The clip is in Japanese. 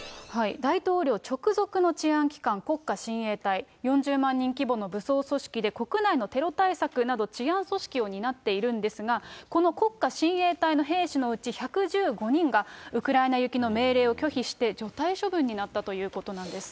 大統領直属の治安機関、国家親衛隊、４０万人規模の武装組織で、国内のテロ対策など、治安組織を担っているんですが、この国家親衛隊の兵士のうち１１５人が、ウクライナ行きの命令を拒否して、除隊処分になったということなんです。